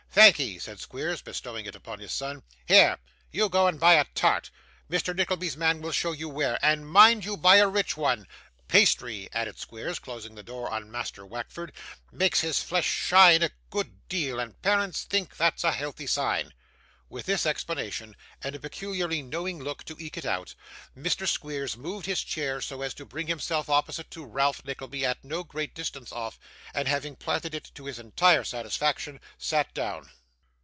'Thankee,' said Squeers, bestowing it upon his son. 'Here! You go and buy a tart Mr. Nickleby's man will show you where and mind you buy a rich one. Pastry,' added Squeers, closing the door on Master Wackford, 'makes his flesh shine a good deal, and parents thinks that a healthy sign.' With this explanation, and a peculiarly knowing look to eke it out, Mr. Squeers moved his chair so as to bring himself opposite to Ralph Nickleby at no great distance off; and having planted it to his entire satisfaction, sat down.